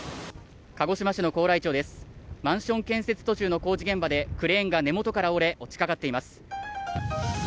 マンション建設途中の工事現場でクレーンが根元から折れ落ちかかっています。